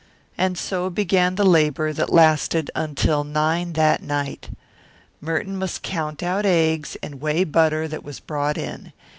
And so began the labour that lasted until nine that night. Merton must count out eggs and weigh butter that was brought in.